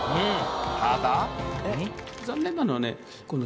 ただ。